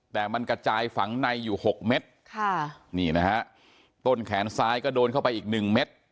แต่มันกระจายฝังในอยู่๖เมตรต้นแขนซ้ายก็โดนเข้าไปอีก๑เม็ด